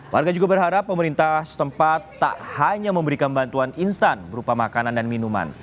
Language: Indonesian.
warga juga berharap pemerintah setempat tak hanya memberikan bantuan instan berupa makanan dan minuman